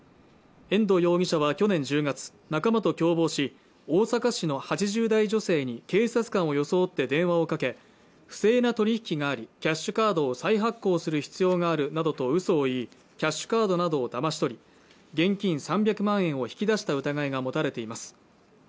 遠藤容疑者は去年１０月仲間と共謀し大阪市の８０代女性に警察官を装って電話をかけ不正な取引がありキャッシュカードを再発行する必要があるなどとうそを言いキャッシュカードなどをだまし取り現金３００万円を引き出した疑いが持たれています